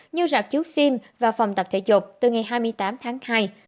như rạp chiếu phim và phòng tập thể dục từ ngày hai mươi tám tháng hai